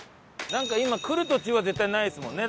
なんか今来る途中は絶対ないですもんね。